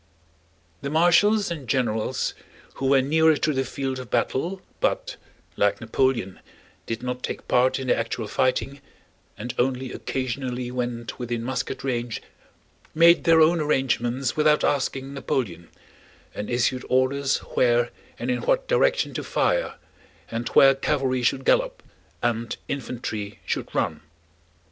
The marshals and generals, who were nearer to the field of battle but, like Napoleon, did not take part in the actual fighting and only occasionally went within musket range, made their own arrangements without asking Napoleon and issued orders where and in what direction to fire and where cavalry should gallop and infantry should run.